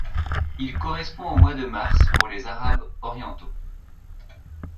Il correspond au mois de mars pour les arabes orientaux.